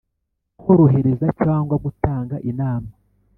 korohereza cyangwa gutanga inama